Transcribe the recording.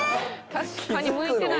確かに向いてないかも。